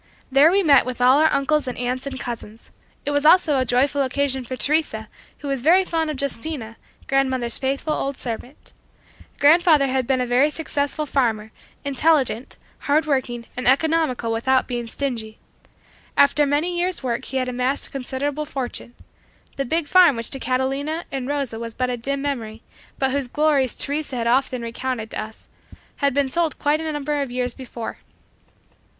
There we met with all our uncles and aunts and cousins. It was also a joyful occasion for Teresa who was very fond of Justina, grandmother's faithful old servant Grandfather had been a very successful farmer, intelligent, hard working and economical without being stingy. After many years' work he had amassed a considerable fortune. The big farm which to Catalina and Rosa was but a dim memory, but whose glories Teresa had often recounted to us, had been sold quite a number of years before.